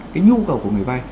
cái nhu cầu của người vai